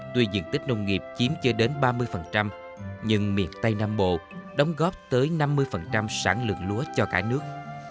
tuy diện tích nông nghiệp chiếm chưa đến ba mươi nhưng miền tây nam bộ đóng góp tới năm mươi sản lượng lúa cho cả nước